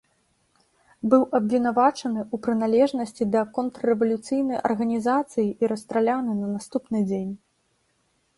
Быў абвінавачаны ў прыналежнасці да контррэвалюцыйнай арганізацыі і расстраляны на наступны дзень.